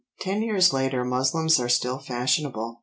Ten years later muslins are still fashionable.